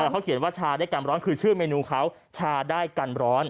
เขาเขียนว่าชาได้กรรมร้อนคือชื่อเมนูเขาชาได้กันร้อน